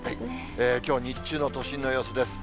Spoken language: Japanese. きょう日中の都心の様子です。